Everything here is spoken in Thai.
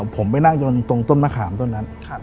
ผมไปนั่งยนต์ตรงต้นมะขามต้นนั้น